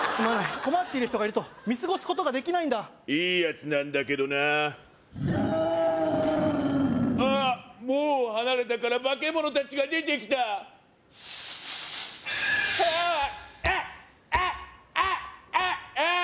困っている人がいると見過ごすことができないんだいいやつなんだけどなあっ門を離れたからバケモノ達が出てきたああっあっあっあっあっあーっ！